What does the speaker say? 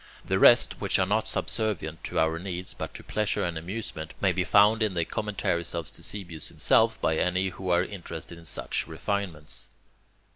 The rest, which are not subservient to our needs, but to pleasure and amusement, may be found in the commentaries of Ctesibius himself by any who are interested in such refinements.